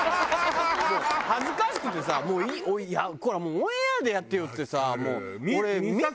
恥ずかしくてさもうこれオンエアでやってよっつってさ。